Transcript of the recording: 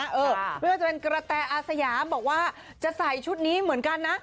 ไม่ว่าจะเป็นกระแตอาสยามบอกว่าจะใส่ชุดนี้เหมือนกันนะ